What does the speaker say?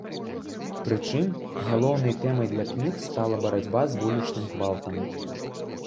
Прычым, галоўнай тэмай для кніг стала барацьба з вулічным гвалтам.